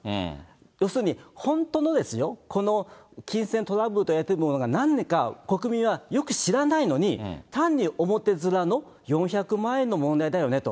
要するに、本当の、この金銭トラブルといわれてるものが、なんなのかよく知らないのに、単に表づらの４００万円の問題だよねと。